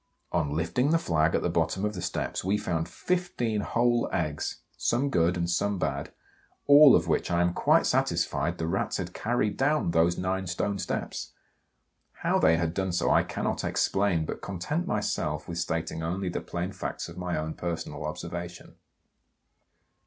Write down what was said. On lifting the flag at the bottom of the steps, we found 15 whole eggs, some good and some bad, all of which I am quite satisfied the Rats had carried down those nine stone steps! How they had done so I cannot explain, but content myself with stating only the plain facts of my own personal observation.